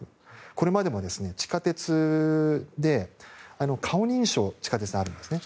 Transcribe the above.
これまでも地下鉄で顔認証が地下鉄にあるんですね。